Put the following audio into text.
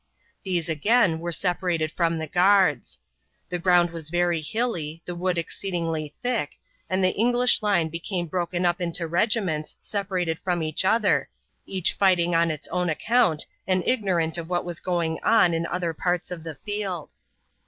These again were separated from the guards. The ground was very hilly, the wood exceedingly thick, and the English line became broken up into regiments separated from each other, each fighting on its own account and ignorant of what was going on in other parts of the field.